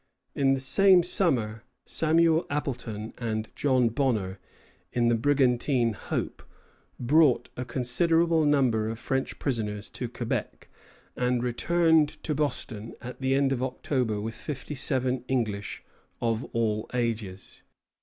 In the same summer Samuel Appleton and John Bonner, in the brigantine "Hope," brought a considerable number of French prisoners to Quebec, and returned to Boston at the end of October with fifty seven English, of all ages.